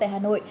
tại hà nội